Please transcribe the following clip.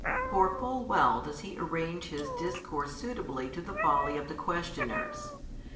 For full well does He arrange His discourse suitably to the folly of the questioners.